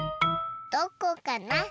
どこかな？